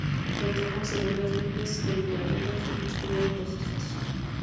Contrajo segundas nupcias con Ingrid y juntos tuvieron dos hijos.